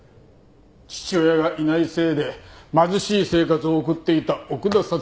父親がいないせいで貧しい生活を送っていた奥田彩